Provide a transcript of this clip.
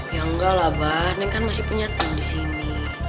ya enggak lah ban ini kan masih punya tim di sini